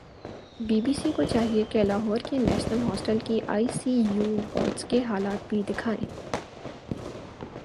be B C کو چاہیے کہ لاہور کے نیشنل ہوسپٹل کے آئی سی یو وارڈز کے حالات بھی دیکھائیں